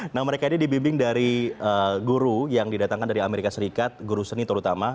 nah mereka ini dibimbing dari guru yang didatangkan dari amerika serikat guru seni terutama